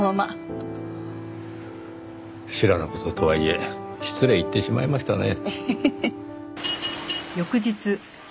知らぬ事とはいえ失礼言ってしまいましたね。